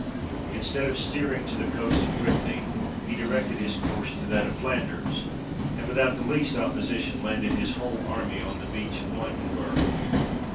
In stead of steering to the coast of Britany he directed his course to that of Flanders, and, without the least opposition, landed his whole army on the beach of Blankenburg.